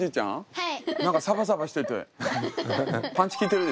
はい。